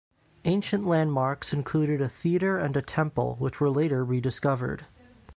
Ancient landmarks included a theatre and a temple, which were later rediscovered.